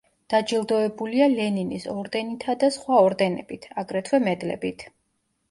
დაჯილდოებულია ლენინის ორდენითა და სხვა ორდენებით, აგრეთვე მედლებით.